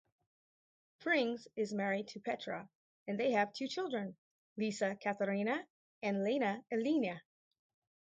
Frings is married to Petra and they have two children, Lisa-Katharina and Lena Alina.